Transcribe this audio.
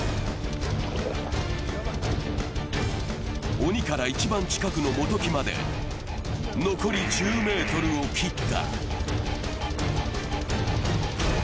鬼から一番近くの元木まで残り１０ｍを切った。